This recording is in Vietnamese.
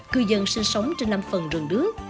cư dân sinh sống trên năm phần rừng đước